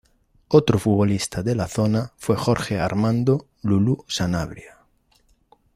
Otro futbolista de la zona fue Jorge Armando "Lulú" Sanabria.